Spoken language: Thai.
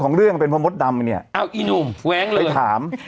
เรื่องเป็นเพราะมดดำเนี่ยเอ้าอีหนุ่มแว้งเลยไปถาม